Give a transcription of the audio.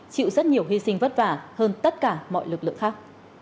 chịu rất nhiều hy sinh vất vả hơn tất cả mọi lực lượng khác